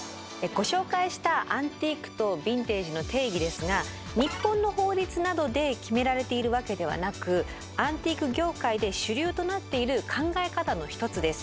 ご紹介した「アンティーク」と「ヴィンテージ」の定義ですが日本の法律などで決められているわけではなくアンティーク業界で主流となっている考え方の一つです。